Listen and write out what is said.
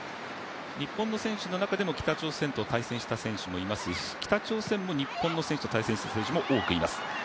日本の選手の中でも北朝鮮と対戦した選手もいますし、北朝鮮も日本の選手と対戦した選手も多くいます。